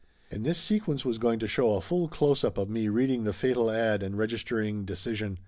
And this sequence was going to show a full close up of me reading the fatal ad and registering decision.